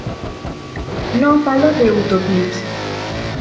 Non falo de utopías.